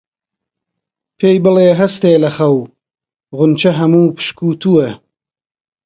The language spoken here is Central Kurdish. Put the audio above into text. پێی بڵێ هەستێ لە خەو، خونچە هەموو پشکووتووە